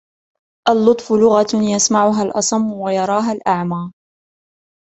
اللطف لغةً يسمعها الأصم ، ويراها الأعمى.